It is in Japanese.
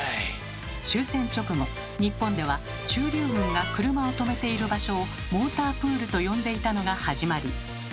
終戦直後日本では駐留軍が車を止めている場所をモータープールと呼んでいたのが始まり。